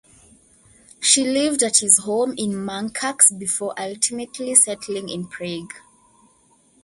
She lived at his home in Munkacs before ultimately settling in Prague.